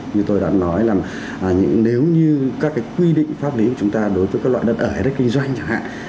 như tôi đã nói là nếu như các quy định pháp lý của chúng ta đối với các loại đất ở đất kinh doanh chẳng hạn